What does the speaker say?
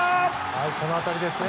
この当たりですね。